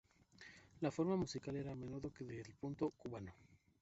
La forma musical era a menudo que del punto cubano.